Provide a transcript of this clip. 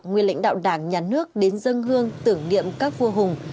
nguyên lãnh đạo đảng nhà nước đến dân hương tưởng niệm các vua hùng